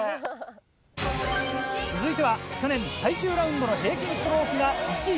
続いては去年最終ラウンドの平均ストロークが１位。